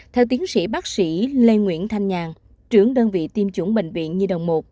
theo tiến sĩ bác sĩ lê nguyễn thanh nhàn trưởng đơn vị tiêm chủng bệnh viện nhi đồng một